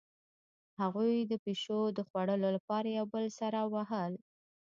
هغوی د پیشو د خوړلو لپاره یو بل سره وهل